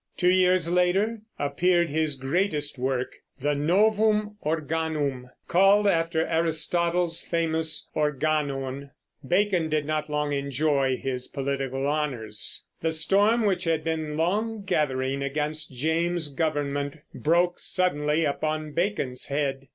Two years later appeared his greatest work, the Novum Organum, called after Aristotle's famous Organon. Bacon did not long enjoy his political honors. The storm which had been long gathering against James's government broke suddenly upon Bacon's head.